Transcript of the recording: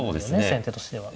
先手としては。